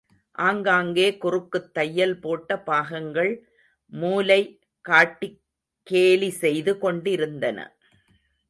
ஆங்காங்கே குறுக்குத் தையல் போட்ட பாகங்கள், மூலை காட்டிக் கேலி செய்து கொண்டிருந்தன.